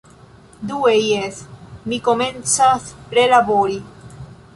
Due... jes, mi komencas relabori